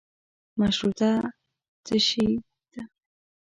مشروطه څشي ده.